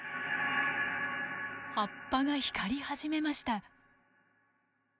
葉っぱが光り始めました。